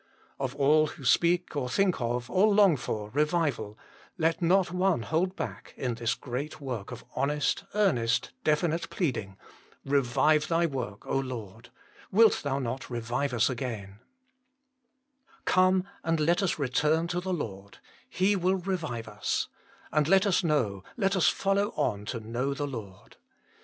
Of all who speak or think of, or long for, revival, let not one hold back in this great work of honest, earnest, definite pleading: Revive Thy work, Lord ! Wilt Thou not revive us again ? 192 THE MINISTRY OF INTERCESSION Come and let us return to the Lord : He will revive us ! And let us know, let us follow on to know the Lord.